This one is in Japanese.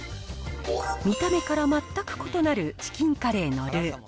見た目から全く異なるチキンカレーのルー。